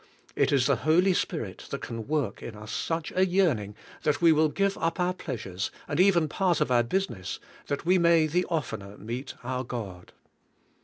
It is the Holy Spirit that can work in us such a yearning that we will give up our pleasures and even part of our busines.^, that we may the oftenermeet our God.